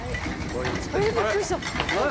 えっびっくりした。